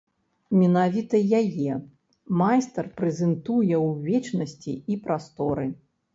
Менавіта яе майстар прэзентуе ў вечнасці і прасторы.